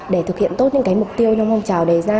để thực hiện tốt những cái mục tiêu trong phong trào đề gia